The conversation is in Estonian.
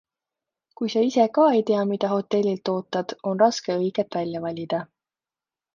Kui sa ise ka ei tea, mida hotellilt ootad, on raske õiget välja valida.